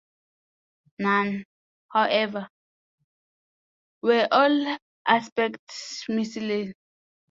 None, however, were all-aspect missiles.